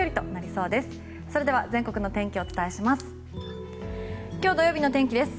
それでは全国のお天気をお伝えします。